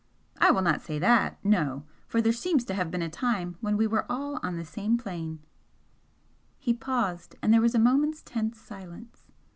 "I will not say that no! For there seems to have been a time when we were all on the same plane " He paused, and there was a moment's tense silence.